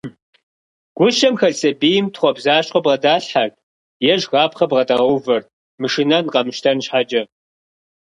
Гущэм хэлъ сэбийм, тхъуэбзащхъуэ бгъэдалъхьэрт, е жыхапхъэ бгъэдагъэувэрт мышынэн, къэмыщтэн щхьэкӏэ.